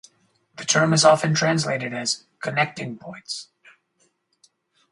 The term is often translated as "connecting points".